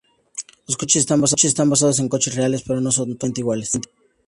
Los coches están basados en coches reales, pero no son totalmente iguales.